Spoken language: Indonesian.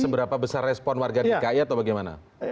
seberapa besar respon warga di kaya atau bagaimana